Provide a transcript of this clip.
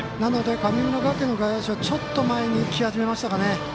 神村学園の外野手ちょっと前に来始めましたね。